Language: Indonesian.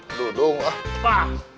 nah dudung apa